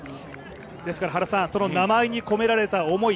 ですからその名前に込められた思い、